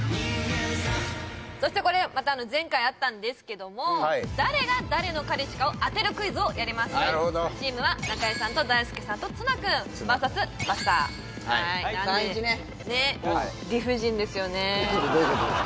そしてこれまた前回あったんですけども誰が誰の彼氏かを当てるクイズをやりますチームは中居さんと大輔さんと綱君ＶＳばっさーはい３１ねねっ理不尽ですよねえ